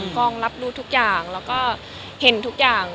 กองรับรู้ทุกอย่างแล้วก็เห็นทุกอย่าง